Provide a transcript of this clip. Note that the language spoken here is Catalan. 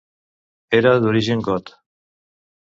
Era d'origen got.